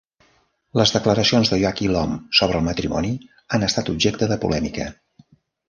Les declaracions d'Oyakhilome sobre el matrimoni han estat objecte de polèmica.